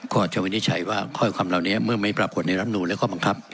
ก็จะวินิจฉัยว่าข้อความเหล่านี้เมื่อไม่ปรากฏในรัฐมนูลและข้อบังคับ